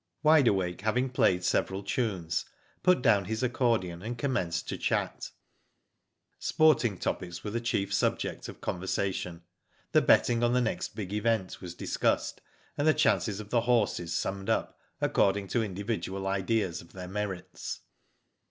Wide Awake, having played several tunes, put down his accordion and commenced to chat. Sporting topics were the chief subject of con versation. The betting on the next big event was discussed, and the chances of the horses summed up, according to individual ideas of their merits.